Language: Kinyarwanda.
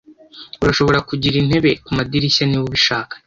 Urashobora kugira intebe kumadirishya niba ubishaka.